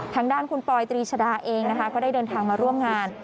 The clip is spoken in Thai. ทางด้านคุณปอยตรีชดาเองนะคะก็ได้เดินทางมาร่วมงาน